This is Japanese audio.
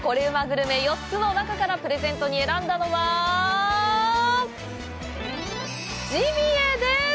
グルメ４つの中からプレゼントに選んだのはジビエです！